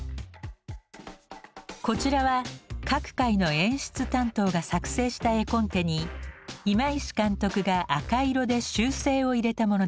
こちらは各回の演出担当が作成した絵コンテに今石監督が赤色で修正を入れたものです。